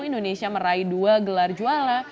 indonesia meraih dua gelar juara